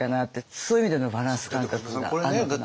そういう意味でのバランス感覚があるのかなって。